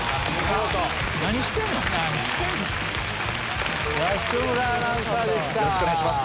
よろしくお願いします。